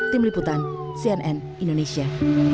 tim liputan cnn indonesia